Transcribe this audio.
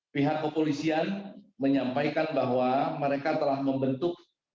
pihak kepolisian menyampaikan bahwa mereka telah membentuk